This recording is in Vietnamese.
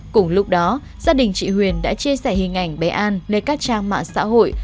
cùng lúc đó gia đình chị huyền đã chia sẻ hình ảnh bé an lên các trang mạng xã hội